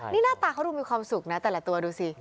นี่หน้าตาเขาดูมีความสุขนะแต่ละตัวดูสิ